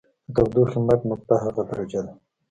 د تودوخې مرګ نقطه هغه درجه ده.